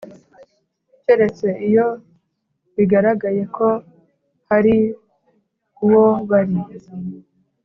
keretse iyo bigaragaye ko hari uwo bari